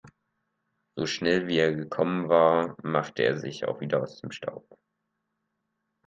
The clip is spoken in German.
So schnell, wie er gekommen war, machte er sich auch wieder aus dem Staub.